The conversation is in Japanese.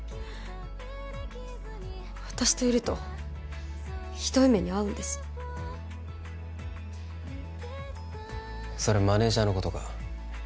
私といるとひどい目に遭うんですそれマネージャーのことか？